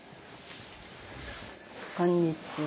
こんにちは。